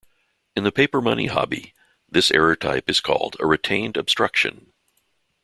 In the paper money hobby, this error type is called a retained obstruction.